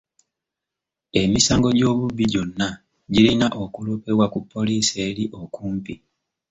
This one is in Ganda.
Emisango gy'obubbi gyonna girina okuloopebwa ku poliisi eri okumpi.